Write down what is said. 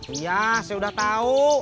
iya saya udah tau